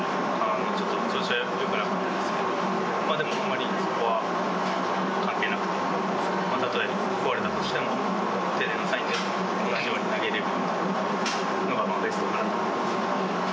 ちょっと調子がよくなかったですけど、でも、あんまりそこは関係なくて、たとえ壊れたとしても、手でのサインでも同じように投げられるのがベストかなと思います。